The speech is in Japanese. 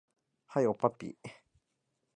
はい、おっぱっぴー